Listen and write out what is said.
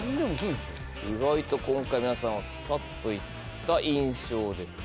意外と今回皆さんはサッといった印象です。